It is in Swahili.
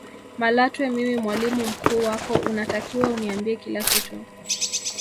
Malatwe mimi mwalimu mkuu wako unatakiwa uniambie kila kitu